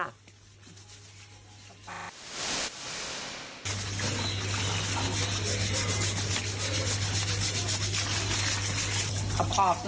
ขอบด้วยคุณ